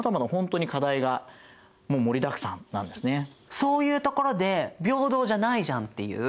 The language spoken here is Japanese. そういうところで平等じゃないじゃんっていう。